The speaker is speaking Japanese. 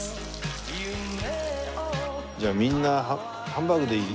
じゃあみんなハンバーグでいい？